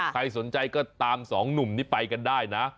ใครสนใจก็ตามสองหนุ่มนี้ไปกันได้นะ